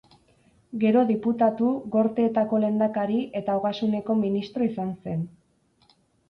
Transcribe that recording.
Gero diputatu, Gorteetako lehendakari eta Ogasuneko Ministro izan zen.